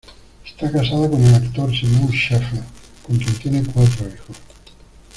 Está casada con el actor Simon Shepherd con quien tiene cuatro hijos.